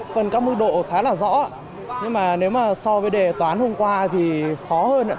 phần các mức độ khá là rõ nhưng mà nếu mà so với đề toán hôm qua thì khó hơn